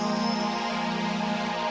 dengar ini ibu ya